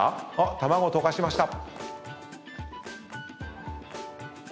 卵溶かしました。